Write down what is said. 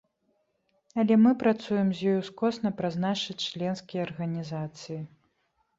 Але мы працуем з ёй ускосна праз нашы членскія арганізацыі.